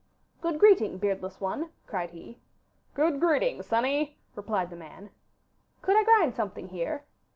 'Good greeting, beardless one!' cried he. 'Good greeting, sonny,' replied the man. 'Could I grind something here?